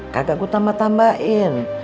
kagak gue tambah tambahin